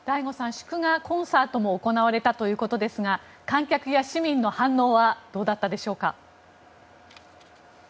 祝賀コンサートも行われたということですが観客や市民の反応はどうだったでしょうか。